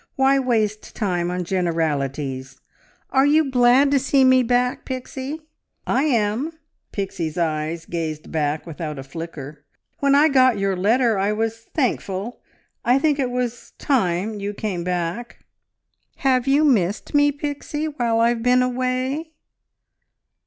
Why waste time on generalities. ... Are you glad to see me back, Pixie?" "I am!" Pixie's eyes gazed back without a flicker. "When I got your letter I was thankful! I think it was time you came back." "Have you missed me, Pixie, while, I've been away?"